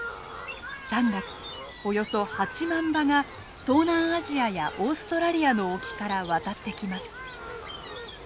３月およそ８万羽が東南アジアやオーストラリアの沖から渡ってきます。